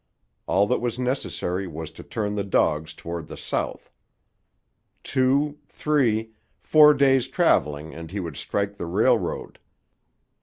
All that was necessary was to turn the dogs toward the south. Two, three, four days' travelling and he would strike the railroad.